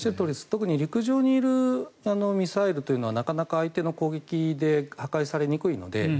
特に陸上にいるミサイルはなかなか相手の攻撃で破壊されにくいので。